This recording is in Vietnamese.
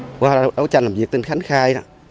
thì qua đấu tranh làm việc tên khánh khai